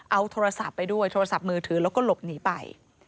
เอาโทรศัพท์ไปด้วยโทรศัพท์มือถือแล้วก็หลบหนีไป